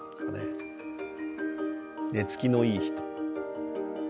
寝つきのいい人。